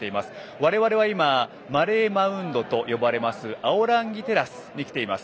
我々は今マレー・マウントと呼ばれますアオランギテラスに来ています。